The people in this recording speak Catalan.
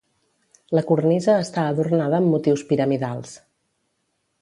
La cornisa està adornada amb motius piramidals.